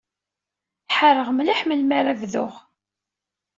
Ḥareɣ mliḥ melmi ara bduɣ.